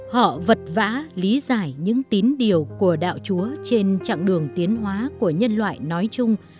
họ vật vã lý giải những tín điều của đạo chúa trên chặng đường tiến hóa của nhân loại nói chung